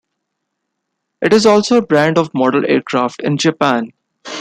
It is also a brand of model aircraft in Japan.